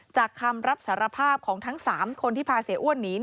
คำรับสารภาพของทั้ง๓คนที่พาเสียอ้วนหนี